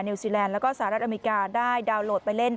ซีแลนด์แล้วก็สหรัฐอเมริกาได้ดาวน์โหลดไปเล่น